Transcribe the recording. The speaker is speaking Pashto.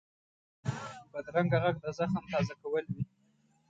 بدرنګه غږ د زخم تازه کول وي